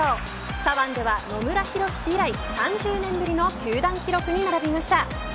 左腕では野村弘樹氏以来３０年ぶりの球団記録に並びました。